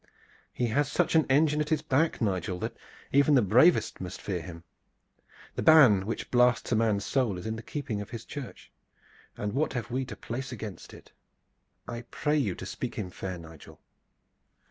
"He has such an engine at his back, Nigel, that even the bravest must fear him. The ban which blasts a man's soul is in the keeping of his church, and what have we to place against it? I pray you to speak him fair, Nigel."